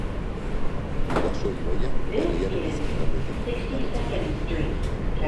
Bidasoa ibaia herriaren ezkerraldetik igarotzen da.